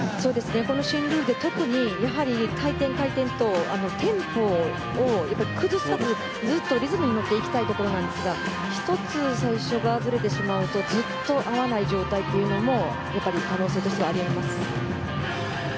この新ルールは特に回転、回転とテンポを崩さずにリズムに乗っていきたいところですが１つ、最初がずれてしまうとずっと合わない状態が可能性としてはあります。